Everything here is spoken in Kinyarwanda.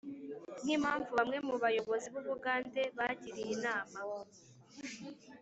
nk impamvu Bamwe mu bayobozi b u Bugande bagiriye inama